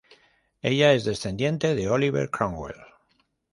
Ella es descendiente de Oliver Cromwell.